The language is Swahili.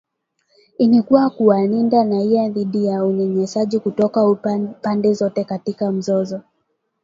ili kuwalinda raia dhidi ya unyanyasaji kutoka pande zote katika mzozo